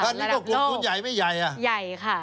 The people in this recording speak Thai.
อันนี้ก็กลุ่มทุนใหญ่ไม่ใหญ่อ่ะใหญ่ค่ะ